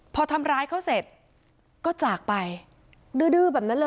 พอทำร้ายเขาเสร็จก็จากไปดื้อแบบนั้นเลย